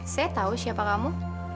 saya tahu siapa kamu